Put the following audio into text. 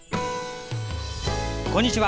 こんにちは。